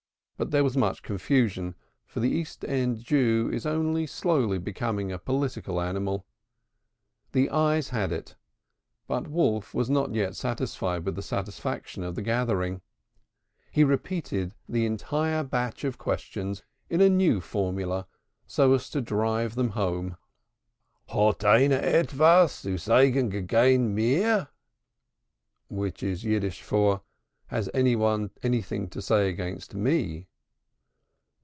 But there was much confusion, for the East End Jew is only slowly becoming a political animal. The ayes had it, but Wolf was not yet satisfied with the satisfaction of the gathering. He repeated the entire batch of questions in a new formula so as to drive them home. "Hot aner etwas zu sagen gegen mir?" Which is Yiddish for "has any one anything to say against me?"